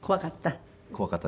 怖かった？